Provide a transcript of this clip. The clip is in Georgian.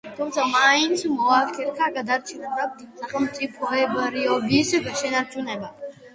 თუმცა მან მაინც მოახერხა გადარჩენა და სახელმწიფოებრიობის შენარჩუნება?